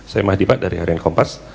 saya mahdi pak dari harian kompas